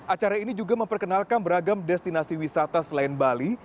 acara ini juga memperkenalkan beragam destinasi wisata selain bali